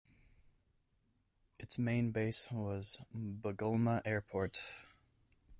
Its main base was Bugulma Airport.